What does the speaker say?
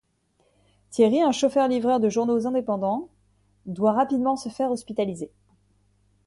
Thierry, un chauffeur-livreur de journaux indépendant, doit rapidement se faire hospitaliser.